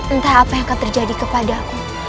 entah apa yang akan terjadi kepada aku